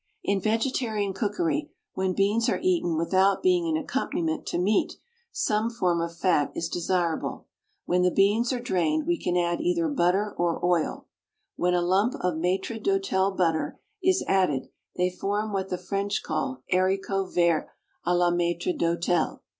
In vegetarian cookery, when beans are eaten without being an accompaniment to meat, some form of fat is desirable. When the beans are drained we can add either butter or oil. When a lump of Maitre d'hotel butter is added they form what the French call haricots vert a la Maitre d'hotel.